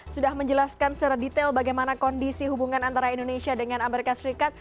sudah menjelaskan secara detail bagaimana kondisi hubungan antara indonesia dengan amerika serikat